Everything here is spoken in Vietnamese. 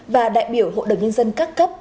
và đại biểu hội đồng nhân dân các cấp